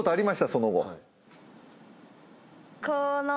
その後。